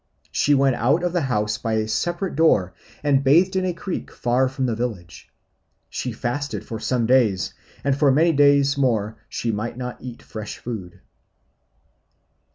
She went out of the house by a separate door and bathed in a creek far from the village. She fasted for some days, and for many days more she might not eat fresh food.